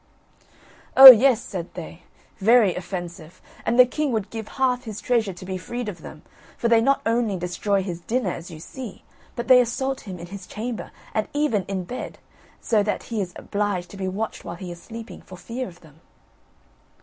"Oh yes," said they, "very offensive, and the king would give half his treasure to be freed of them, for they not only destroy his dinner, as you see, but they assault him in his chamber, and even in bed, and so that he is obliged to be watched while he is sleeping, for fear of them."